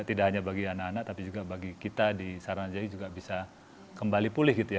tidak hanya bagi anak anak tapi juga bagi kita di saranajaya juga bisa kembali pulih gitu ya